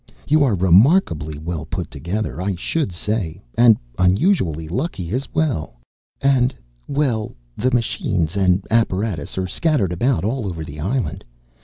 You are remarkably well put together, I should say; and unusually lucky, as well! "And, well, the machines and apparatus are scattered about all over the island.